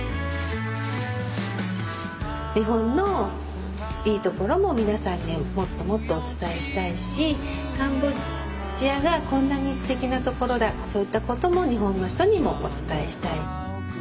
日本のいいところも皆さんにもっともっとお伝えしたいしカンボジアがこんなにすてきなところだそういったことも日本の人にもお伝えしたい。